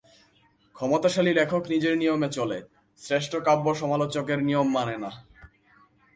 ক্ষমতাশালী লেখক নিজের নিয়মে চলে, শ্রেষ্ঠ কাব্য সমালোচকের নিয়ম মানে না।